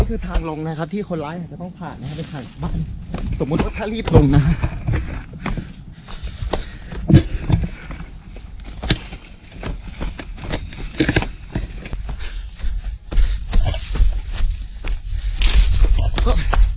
ก็คือทางลงนะครับที่คนร้ายอาจจะต้องผ่านนะครับไปผ่านบ้านสมมุติว่าถ้ารีบลงนะครับ